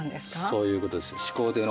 そういうことです。